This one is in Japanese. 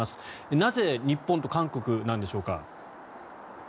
なぜ日本と韓国なのでしょうか。